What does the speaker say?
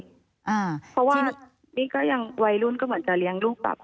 เพราะว่านี่ก็ยังวัยรุ่นก็เหมือนจะเลี้ยงลูกปรับ